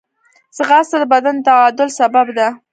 ځغاسته د بدن د تعادل سبب ده